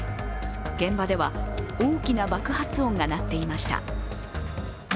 現場では大きな爆発音が鳴っていました。